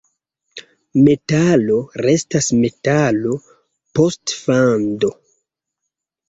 Metalo restas metalo post fando.